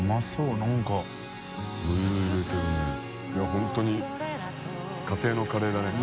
本当に家庭のカレーだね。